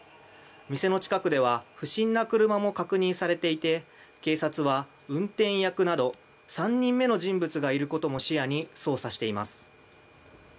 店の近くでは不審な車も確認されていて警察は、運転役など３人目の人物がいることも視野に捜査しています。